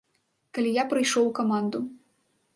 Калі я прыйшоў у каманду.